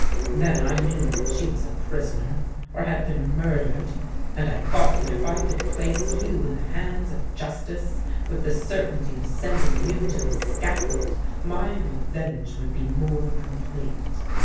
Then I knew that she was a prisoner, or had been murdered; and I thought that if I could place you in the hands of justice, with the certainty of sending you to the scaffold, my revenge would be more complete.